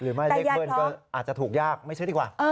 หรือไม่เลขเบิ้ลอาจจะถูกยากไม่ใช่ดีกว่า